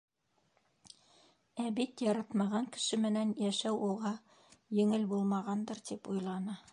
«Ә бит яратмаған кеше менән йәшәү уға еңел булмағандыр» тип уйланы.